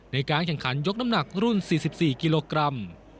ในการแข่งขันยกน้ำหนักรุ่น๔๔กิโลกรัม